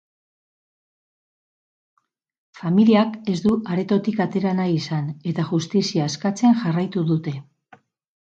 Familiak ez du aretotik atera nahi izan, eta justizia eskatzen jarraitu dute.